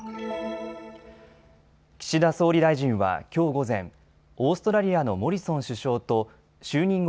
岸田総理大臣はきょう午前、オーストラリアのモリソン首相と就任後